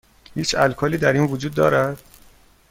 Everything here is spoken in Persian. هیچ الکلی در این وجود دارد؟